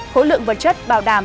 khối lượng vật chất bảo đảm